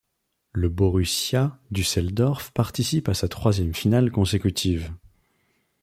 Le Borussia Düsseldorf participe à sa troisième finale consécutive.